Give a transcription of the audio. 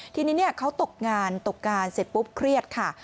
ทีนี้เขาตกงานตกงานเสร็จปุ๊บเครียดค่ะ